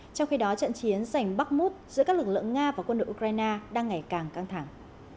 trong khi đó trận chiến giành bắc mút giữa các lực lượng nga và quân đội ukraine đang ngày càng căng thẳng